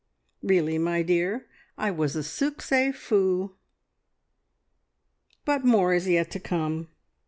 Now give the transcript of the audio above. Really, my dear, I was a succes fou. "But more is yet to come.